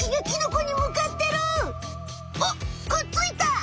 あっくっついた！